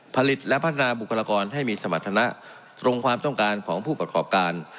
ผลิตและพัฒนาบุคลากรให้มีสมรรถนะตรงความต้องการของผู้ประกอบการ